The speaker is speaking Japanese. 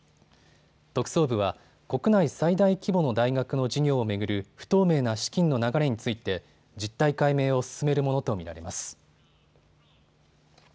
特捜部は国内最大規模の大学の事業を巡る不透明な資金の流れについて実態解明を進めるものと見られます。